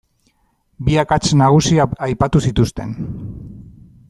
Bi akats nagusi aipatu zituzten.